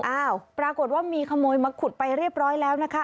อ้าวปรากฏว่ามีขโมยมาขุดไปเรียบร้อยแล้วนะคะ